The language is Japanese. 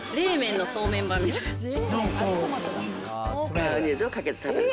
マヨネーズをかけて食べる。